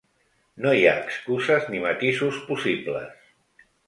No hi ha excuses ni matisos possibles.